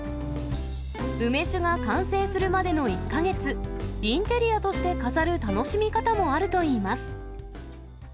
梅酒が完成するまでの１か月、インテリアとして飾る楽しみ方もあるといいます。